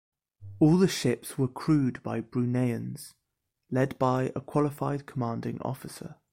All the ships were crewed by Bruneians, led by a qualified commanding officer.